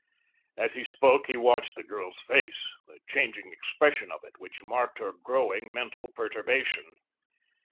As he spoke he watched the girl's face, the changing expression of it, which marked her growing mental perturbation.